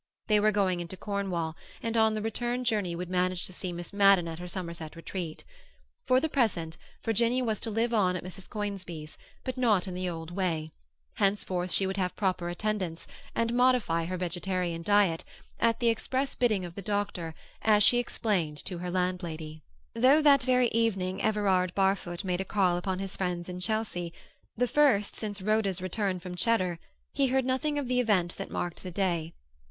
They were going into Cornwall, and on the return journey would manage to see Miss Madden at her Somerset retreat. For the present, Virginia was to live on at Mrs. Conisbee's, but not in the old way; henceforth she would have proper attendance, and modify her vegetarian diet—at the express bidding of the doctor, as she explained to her landlady. Though that very evening Everard Barfoot made a call upon his friends in Chelsea, the first since Rhoda's return from Cheddar, he heard nothing of the event that marked the day.